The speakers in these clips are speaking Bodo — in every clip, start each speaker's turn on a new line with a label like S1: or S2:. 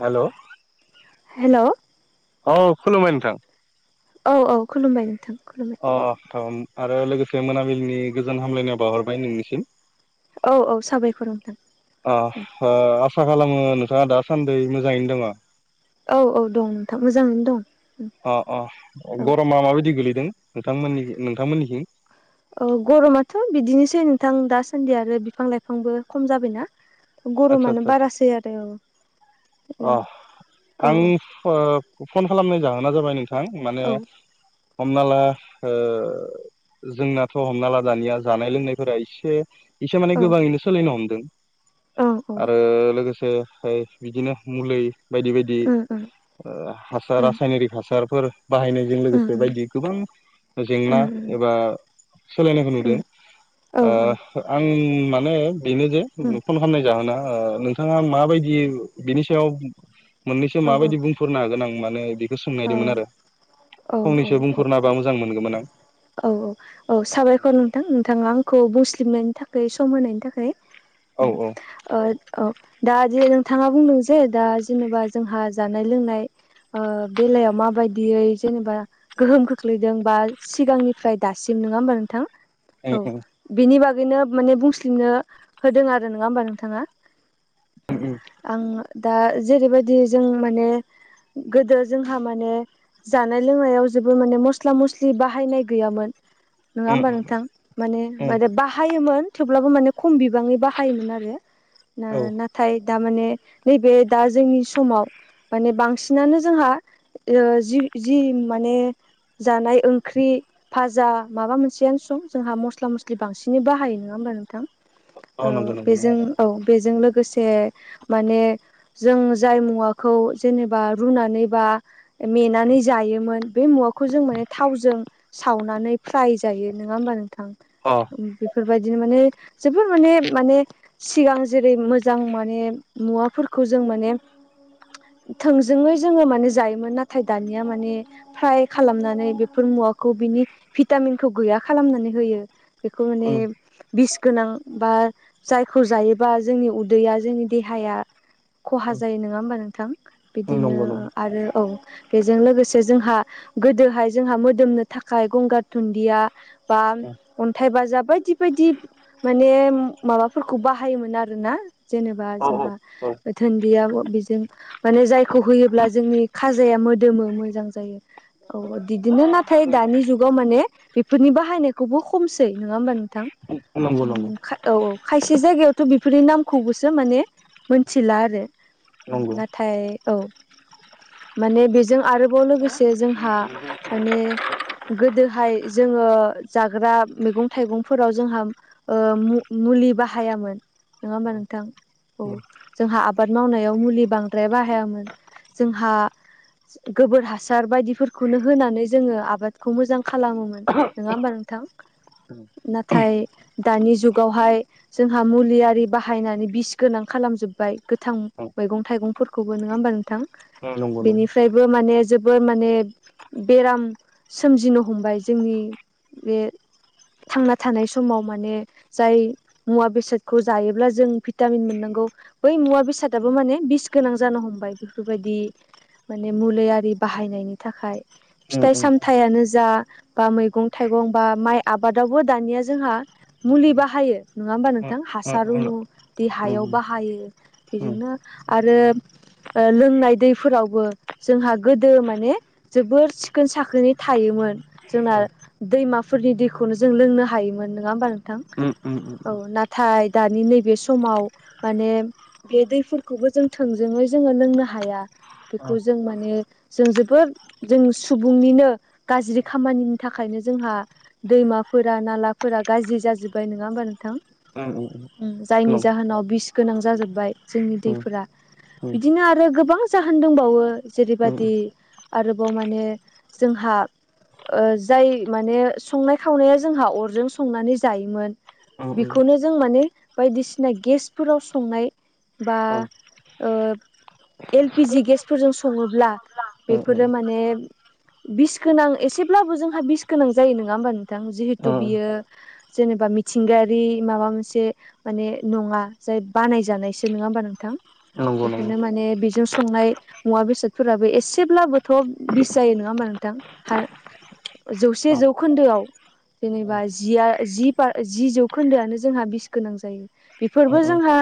S1: हेल'
S2: हेल'
S1: औ खुलुमबाय नोंथां
S2: औ औ खुलुमबाय नोंथां खुलुम
S1: अ ओम आरो लोगोसे मोनाबिलिनि गोजोन हामलायनायाव बाहरबाय नोंनिसिम
S2: औ औ साबायख नोंथां
S1: अ ओ आसा खालामो नोंथाङा दासान्दि मोजाङैनो दङ
S2: औ औ दं नोंथां मोजाङैनो दं
S1: अ अ
S2: औ
S1: गरमा माबायदि गोलैदों नोंथांमोननि नोंथांमोननिथि
S2: औ गरमाथ' बिदिनोसै नोंथां दासान्दि आरो बिफां लाइफांबो खम जाबायना गर
S1: आदसा
S2: माने
S1: आदसा
S2: बारासै आरो औ
S1: अ
S2: औ
S1: आं ओ फन खालामनाय जाहोना जाबाय नोंथां माने
S2: औ
S1: हमना ला ओ जोंनाथ' हमना ला दानिया जानाय लोंनायफोरा एसे इसे माने
S2: औ
S1: गोबाङैनो सोलिनो हमदों
S2: औ औ
S1: आरो लोगोसे ओ बिदिनो मुलि बायदि बायदि
S2: उम
S1: हासार
S2: उम
S1: रासायनारिक हासारफोर बाहायनाय जों
S2: उम
S1: लोगोसे बायदि गोबां जेंना
S2: उम
S1: एबा सोलायनायखौ
S2: उम
S1: नुदों
S2: औ औ
S1: ओ आं मानो बेनो जे फन
S2: उम
S1: खालामनाय जाहोना नोंथाङा माबायदि बिनि स मोननैसो
S2: औ औ
S1: माबायदि बुंफोरनो हागोन आं माने बेखौ सोंनायदोंमोन आरो
S2: ओ औ
S1: फंनैसो
S2: औ
S1: बुंफोरना होबा मोजां मोनगौमोन आं
S2: औ औ औ साबायखर नोंथां नोंथाङा आंखौ बुंस्लिबनायनि थाखाय सम होनायनि थाखाय
S1: औ
S2: उम ओ औ दा नोंथाङा बुंदों जे दा जेनेबा जोंहा जानाय लोंनाय ओ बेलायाव माबायदियै जेनेबा गोहोम खोख्लैदों बा सिगांनिफ्राय दासिम नङा होमबा नोंथां औ
S1: उम उम
S2: बेनि बागैनो माने बुंस्लिंनो होदों आरो नङा होमबा नोंथाङा
S1: उम
S2: आं जोंहा माने जानाय लोंनायाव जेबो माने मस्ला मस्लि बाहायनाय गैयामोन नङा होमबा
S1: उम उम
S2: नोंथां माने
S1: औ
S2: [unintelligible] बाहायोमोन थेवब्लाबो माने खम बिबाङै बाहायोमोन आरो ना
S1: औ
S2: ना थाय दामाने नैबे दा जोंनि समाव माने बांसिनानो जोंहा जि जि माने जानाय ओंख्रि फाजा माबा मोनसेयानो सम जोंहा मस्ला मस्लि बांसिनै बाहायो नङा होमबा नोंथां औ
S1: नंगौ नंगौ
S2: बेजों औ बेजों लोगोसे माने जों जाय मुवाखौ जेनेबा रुनानै बा मेनानै जायोमोन बे मुवाखौ जों माने थावजों सावनानै फ्राय जायो नङा होमबा नोंथां
S1: नंगौ अ
S2: बेफोरबायदिनो माने जोबोर माने माने सिगां जेरै मोजां माने मुवाफोरखौ जों माने थोंजोङै जोङो माने जायोमोन नाथाय दानिया माने फ्राय खालामनानै बेफोर मुवाखौ बिनि भिटामिनखौ गैया खालामनानै होयो बेखौ माने
S1: उम
S2: बिस गोनां बा जायखौ जायोबा जोंनि उदैया जोंनि देहाया खहा जायो नङा होमबा नोंथां
S1: उम
S2: बिदिनो
S1: नंगौ नंगौ
S2: आरो औ बेजों लोगोसे जोंहा गोदोहाय जोंहा मोदोमनो थाखाय गंगार दुनन्दिया बा अन्थाइ बाजाब बायदि बायदि माने माबाफोरखौ बाहायोमोन आरोना जेनेबा
S1: औ औ
S2: जोंहा
S1: औ
S2: थोनदिया बेजों माने जायखौ होयोब्ला जोंनि खाजाया मोदोमो मोजां जायो औ बिदिनो नाथाय दानि जुग गाव माने बेफोरनि बाहायनायखौबो खमसै नङा हबा नोंथां
S1: नंगौ नंगौ
S2: औ औ खायसे जायगायावथ' बेफोरनि नामखौबोसो माने मोनथिला आरो
S1: नंगौ
S2: नाथाय औ माने बेजों आरोबाव लोगोसे जोंहा माने गोदोहाय जोङो जाग्रा मैगं थाइगंफोराव जोंहा ओ मुलि बाहायामोन नङा होमबा नोंथां औ जोंहा आबाद मावनायाव मुलि बांद्राय बाहायामोन जोंहा गोबोर हासार बायदिफोरखौनो होनानै जोङो आबादखौ मोजां खालामोमोन नोङा होमबा नोंथां
S1: उम
S2: नाथाय दानि जुगावहाय जोंहा मुलियारि बाहायनानै बिस गोनां खालामजोब्बाय गोथां मैगं थाइगंफोरखौबो नङा होमबा नोंथां
S1: नंगौ नंगौ
S2: बेनिफ्राय बो माने जोबोर माने बेराम सोमजिनो हमबाय जोंनि बे थांना थानाय समाव माने जाय मुवा बेसादखौ जायोब्ला जों भिटामिन मोननांगौ बै मुवा बेसादाबो माने बिस गोनां जानो हमबाय बेफोरबायदि माने मुलिआरि बाहायनायनि थाखाय
S1: उम
S2: फिथाइ
S1: उम
S2: सामथायाइयानो जा बा मैगं थाइगं बा माइ आबादावबो दानिया जोंहा मुलि बाहायो नङा होमबा नोंथां हासार रुनु देहायाव बाहायो बेजोंनो आरो लोंनाय दैफोरावबो जोंहा गोदो माने जोबोर सिखोन साखोनै थायोमोन जोंना दैमाफोरनि दैखौनो जों लोंनो हायोमोन नङा होमबा नोंथां औ नाथाय दानि नैबे समाव माने बे दैफोरखौबो जों थोंजोङै जोङो लोंनो हाया बेखौ जों माने जों जोबोद जों सुबुंनिनो गाज्रि खामानिनि थाखायनो जोंहा दैमाफोरा नालाफोरा गाज्रि जाजोब्बाय नङा होमबा नोंथां
S1: उम उम
S2: उम जायनि जाहोनाव बिस गोनां जाजोब्बाय जोंनि दैफोरा बिदिनो आरो गोबां जाहोन दंबावो जेरैबादि आरोबाव माने जोंहा ओ जाय माने संनाय खावनाया जोंहा अरजों संनानै जायोमोन बेखौनो जों माने बायदिसिना गेसफोराव संनाय बा ओ एल पि जि गेसफोरजों सङोब्ला बेफोरो माने बिस गोनां एसेब्लाबो जोंहा बिस गोनां जायो नङा होमबा नोंथां जिहेथु बियो जेनेबा मिथिंगायारि माबा मोनसे माने नङा जाय बानायजानायसो नङा होमबा नोंथां
S1: नंगौ
S2: बेखायनो
S1: नंगौ
S2: माने बेजों संनाय मुवा बेसादफोराबो एसेब्लाबोथ' बिस जायो नङा होमबा नोंथां
S1: औ
S2: जौसे जौखोन्दोआव
S1: औ
S2: जेनेबा जिया जि जौखोन्दोआनो जोंहा बिस गोनां जायो। बेफोरबो
S1: औ
S2: जोंहा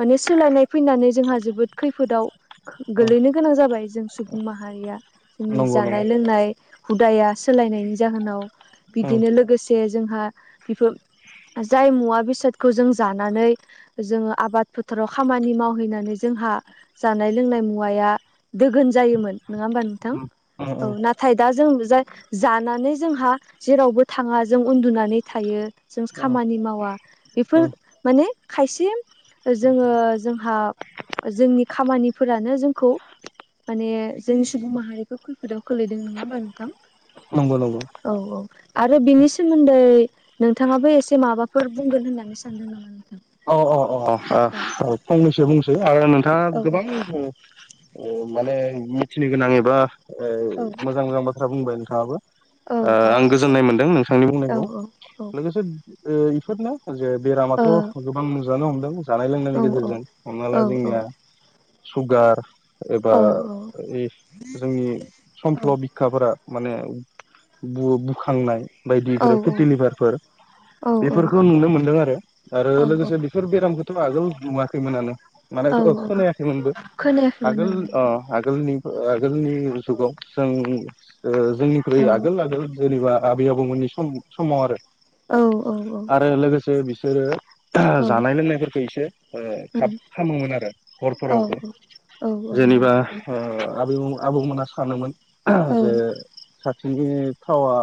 S2: माने सोलायनाय फैनानै जोंहा जोबोद खैफोदाव खो
S1: औ
S2: गोलैनो गोनां जाबाय जों सुबुं माहारिया जोंनि
S1: नंगौ
S2: जानाय
S1: नंगौ
S2: लोंनाय हुदाया सोलायनायनि जाहोनाव
S1: औ औ
S2: बिदिनो लोगोसे जोंहा बेफोर जाय मुवा बेसादखौ जों जानानै जोङो आबाद फोथाराव खामानि मावहैनानै जोंहा जानाय लोंनाय मुवाया दोगोन जायोमोन नङा होमबा नोंथां औ नाथाय दा जों जाय जानानै जोंहा जेरावबो थाङा जों उन्दुनानै थायो जों
S1: औ
S2: खामानि मावा बेफोर माने खायसे जोङो जोंहा जोंनि खामानिफोरानो जोंखौ माने जोंनि सुबुं माहारिखौ खैफोदाव खोलैदों नङा होमा नोंथां।
S1: नंगौ नंगौ
S2: औ औ आरो बिनि सोमोन्दै नोंथाङाबो एसे माबाफोर बुंगोन होननानै सानो दों नामा नोंथां?
S1: औ औ अ औ फंनैसो बुंसै आरो नोंथाङा गोबां माने मिथिनो गोनां एबा ओ मोजां मोजां बाथ्रा बुंबाय नोंथाङाबो आं गोजोननाय मोनदों नोंथांनि बुंनायखौ लोगोसे इफोरनो जे बेरामाथ' गोबां जानो हमदों जानाय लोंनायनि गेजेरजों हमना ला जोंनिया सुगार एबा एस जोंनि समफ्ल' बिखाफोरा माने बु-बुखांनाय बायदिफोर फिटिलिभारफोर बेफोरखौ नुनो मोनदों आरो आरो
S2: औ
S1: लोगोसे बेफोर बेरामखौथ' आगोल नुवाखैमोनानो माने
S2: औ औ
S1: खो-खोनायाखैमोनबो
S2: खोनायाखैमोन
S1: आगोल
S2: औ
S1: ओ
S2: नंगौ
S1: आगोलनि आगोलनि जुगाव जों ओ जोंनिख्रुइ
S2: औ
S1: आगोल आगोल जेनेबा आबै आबौमोननि सम समाव आरो
S2: औ औ
S1: आरो लोगोसे बिसोरो
S2: औ उम
S1: जानाय लोंनायफोरखौ एसे थाब खालामोमोन आरो
S2: औ
S1: हरफोरावबो।
S2: औ
S1: जेनेबा
S2: नंगौ औ
S1: आबौ आबौमोना सानोमोन
S2: औ
S1: जे
S2: उम
S1: खाथिनि थावा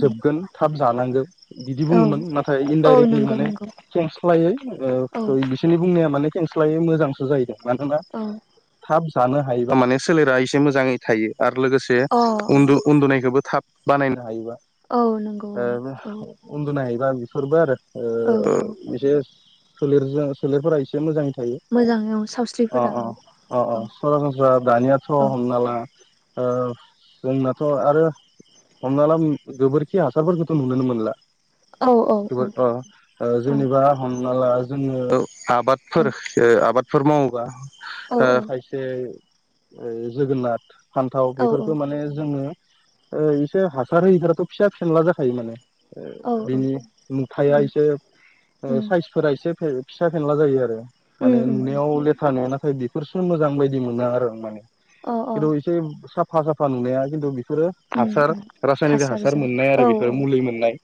S1: जोबगोन थाब जानांगोन बिदि
S2: औ
S1: बुङोमोन नाथाय
S2: औ
S1: इनडाइरेक्टलि
S2: नंगौ
S1: माने
S2: नंगौ
S1: [unintelligible] स्लायै ओ
S2: औ
S1: सरि बिसोरनि बुंनाया माने खेंस्लायै मोजांसो जाहैदों मानोना
S2: औ
S1: थाब जानो हायोबा माने सोलेरा एसे मोजाङै थायो आरो लोगोसे
S2: अ
S1: उन्दु उन्दुनायखौबो थाब बानायनो हायोबा
S2: औ नंगौ औ
S1: उन्दुनो हायोबा बिफोरबो आरो
S2: औ
S1: ओ
S2: औ
S1: एसे सोलेरजों सोलेरफोरा एसे मोजां थायो
S2: मोजाङै औ सावस्रिफोरा औ
S1: अअ
S2: औ
S1: अअ सरासनस्रा दानियाथ'
S2: औ
S1: हमना ला ओ जोंनाथ' आरो हमना ला गोबोरखि हासारफोरखौथ' नुोनोनो मोनला
S2: औ-औ-औ
S1: जोबोर ओ ओ जेनेबा हमना ला जोङो आबादफोर ओ आबादफोर मावोबा
S2: औ
S1: खायसे जोगोनाथ फान्थाव
S2: औ औ
S1: बेफोरखौ माने जोङो इसे हासार होयि फोराथ' फिसा फेनला जाखायो माने
S2: औ औ
S1: बिनि मुथाया
S2: उम
S1: एसे
S2: उम
S1: साइसफोरा एसे फिसा फेनला जायो आरो माने
S2: उम उम
S1: नुनायाव लेथ्रा नुनाथाय बि बेफोरसो मोजां बायदि मोना आरो माने
S2: अ अ
S1: खिन्थु एसे साफा साफा नुनाया खिन्थु बिफोरो
S2: उम
S1: हासार रासायनिक हासार
S2: हासारजों
S1: मोननाय
S2: औ
S1: आरो बेफोरो मुलि मोननाय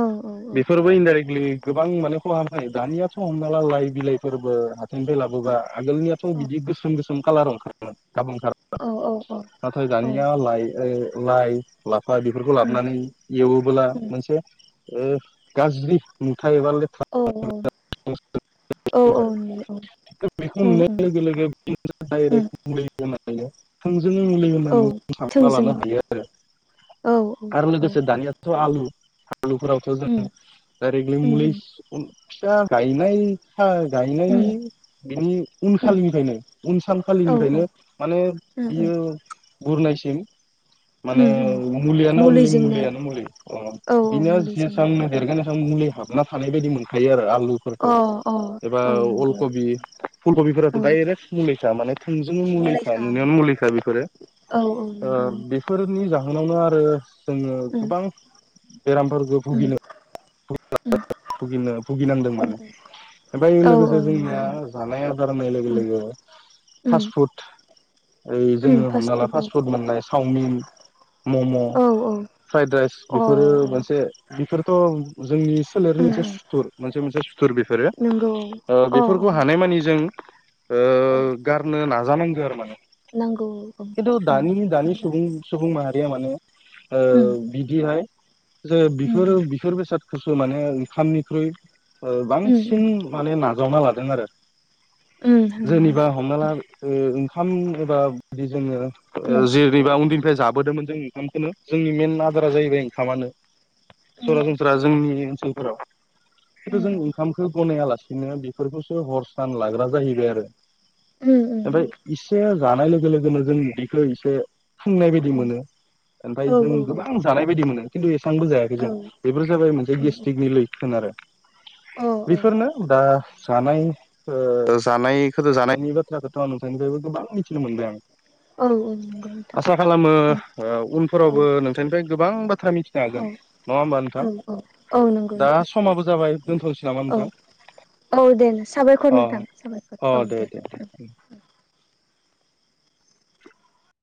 S2: औ औ
S1: बेफोरबो इनडायरेक्टलि गोबां माने खहाबनो हायो दानियाथ' हमना ला लाइ बिलाइफोरबो बेनिफ्राय लाबोबा आगोलनियाथ' बिदि गोसोम गोसोम कालार ओंखारोमोन [unintelligible]
S2: औ औ औ
S1: नाथाय
S2: औ
S1: दानिया लाइ लाइ-लाफा बेफोरखौ
S2: उम
S1: लाबोनानै एवोबोला
S2: उम
S1: मोनसे ओ गाज्रि मुथा एबा
S2: औ
S1: लेथ्रा
S2: औ औ नुयो औ
S1: [unintelligible] बेखौ
S2: उम उम
S1: नुनाय लोगो लोगो
S2: उम
S1: [unintelligible] थोंजोंनो मुलि
S2: औ
S1: होननानै जों सानना
S2: थोंजों
S1: लानो हायो आरो।
S2: औ औ
S1: आरो
S2: औ
S1: लोगोसे दानियाथ' आलु आलुफोरावथ'
S2: उम
S1: जों दाइरेगलि
S2: उम
S1: मुलि फिसा गायनाय
S2: उम
S1: गायनायनि बिनि
S2: उम
S1: उनखालिनिफ्रायनो
S2: औ
S1: उनसानखालिनिफ्रायनो माने
S2: उम उम
S1: बियो बुरनायसिम माने
S2: उम उम
S1: मुलियानो अनलि
S2: मुलिजोंनो
S1: मुलियानो मुलि
S2: औ
S1: बिनियाव
S2: मुलिजोंनो
S1: जेसांनो
S2: होजायो
S1: देरगोन एसां मुलि हाबना थानाय बायदि मोनखायो आरो आलुफोरखौ
S2: अ अ
S1: एबा
S2: औ नंगौ
S1: अलकबि फुलकबिफोराथ'
S2: औ
S1: डायरेक्ट मुलिखा माने थोंजोंनो मुलिखा नुनायावनो मुलिखा बेफोरो
S2: औ-औ
S1: बेफोरनि जाहोनावनो आरो जोङो
S2: उम
S1: गोबां बेरामफोरखौ
S2: उम
S1: भुगिनो
S2: उम
S1: [unintelligible] भुगिनो भुगिनांदों माने ओमफ्राय
S2: औ
S1: लोगोसे
S2: औ
S1: जोंनिया
S2: नंगौ
S1: जानाय आदार होननाय लोगो
S2: उम
S1: लोगो फास्ट
S2: उम
S1: फुड ओइ
S2: उम
S1: जोङो हमना ला
S2: फुड औ
S1: फास्ट फुद मोननाय चावमिन मम'
S2: औ
S1: फ्राइद राइस
S2: औ
S1: बेफोरो
S2: अ अ
S1: मोनसे बेफोरथ' जोंनि सोलेरनि
S2: उम
S1: मोनसे
S2: उम
S1: सुथुर मोनसे मोनसे सुथुर बेफोरो
S2: नंगौ औ अ
S1: बेफोरखौ
S2: अ
S1: हानाय मानि जों
S2: उम
S1: गारनो नाजानांगो आरो माने
S2: नांगौ औ
S1: खिन्थु
S2: औ उम
S1: दानि दानि सुबुं सुबुं माहारिया माने
S2: उम
S1: बिदिहाय जे बिफोरो
S2: उम
S1: बिफोर बेसाद सो माने ओंखामनिख्रुइ
S2: उम
S1: बांसिन माने नाजावना लादों आरो।
S2: उम
S1: जेनिबा हमना ला ओंखाम एबा बिदि जोङो बोरैबा उन्दैनिफ्राय जाबोदोंमोन जों ओंखामखौनो जोंनि मेन आदारा जाहैबाय ओंखामानो।
S2: उम
S1: सरासनस्रा जोंनि ओनसोलफोराव खिनथु जों
S2: उम
S1: ओंखाम गनायालासिनो बेफोरखौसो हर सान लाग्रा जाहैबाय आरो
S2: उम
S1: ओमफ्राय
S2: उम
S1: इसे जानाय लोगो लोगोनो जों उदैखौ इसे फुंनाय बायदि
S2: औ
S1: मोनो ओमफ्राय
S2: औ
S1: जों गोबां जानाय बायदि मोनो खिन्थु एसांबो जायाखै
S2: औ
S1: जों बेफोर जाबाय मोनसे
S2: औ
S1: गेस्ट्रिकनि लैखोन आरो
S2: औ
S1: बेफोरनो दा जानाय ओ जानायखौथो जानायनि बाथ्राखौथ' आं नोंथांनिफ्रायबो गोबां मिथिनो मोनबाय आं
S2: औ औ नोंथां
S1: आसा खालामो
S2: औ
S1: ओ
S2: औ
S1: उनफोरावबो नोंथांनिफ्राय गोबां बाथ्रा मिथिनो
S2: औ
S1: हागोन। नङा होमबा
S2: औ
S1: नोंथां?
S2: औ नंगौ
S1: दा
S2: नोंथां
S1: समाबो जाबाय दोनथ'सै नामा
S2: औ
S1: नोंथां?
S2: औ दे साबायखर
S1: अ
S2: नोंथां साबायखर औ दे औ
S1: [inaudible]